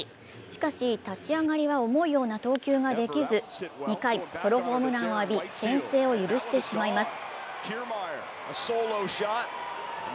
しかし立ち上がりは思うような投球ができず２回、ソロホームランを浴び、先制を許してしまいます。